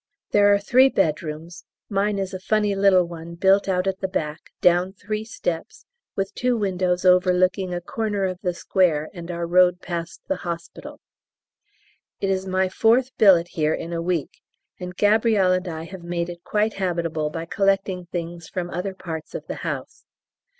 There are three bedrooms mine is a funny little one built out at the back, down three steps, with two windows overlooking a corner of the square and our road past the hospital. It is my fourth billet here in a week, and Gabrielle and I have made it quite habitable by collecting things from other parts of the house.